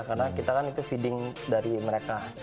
karena kita kan itu feeding dari mereka